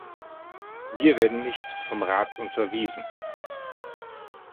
Wir werden nicht vom Rat unterwiesen.